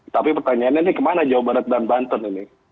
tapi pertanyaannya ini kemana jawa barat dan banten ini